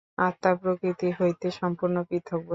আত্মা প্রকৃতি হইতে সম্পূর্ণ পৃথক বস্তু।